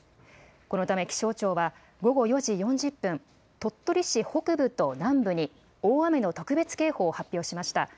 このため気象庁は、午後４時４０分、鳥取市北部と南部に大雨の特別警報を発表しました。